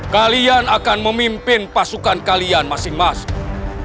kalian akan memimpin pasukan kalian masing masing